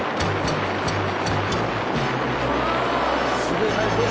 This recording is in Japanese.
すごい何？